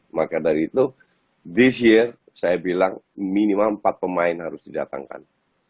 oleh karena itu tahun ini saya bilang minimal empat pemain harus didatangkan